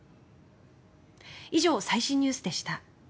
以上、最新ニュースでした。